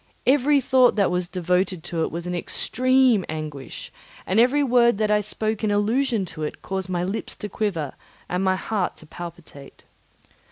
Every thought that was devoted to it was an extreme anguish, and every word that I spoke in allusion to it caused my lips to quiver, and my heart to palpitate.